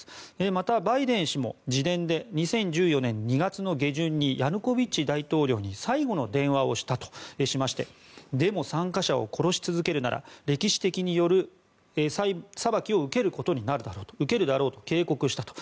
また、バイデン氏も自伝で２０１４年２月の下旬にヤヌコビッチ大統領に最後の電話をしたとしましてデモ参加者を殺し続けるなら歴史による裁きを受けるだろうと警告したと。